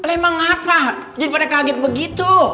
emang apa gimana pada kaget begitu